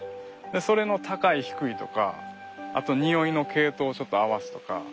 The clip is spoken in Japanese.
それの高い低いとかあとにおいの系統をちょっと合わすとか。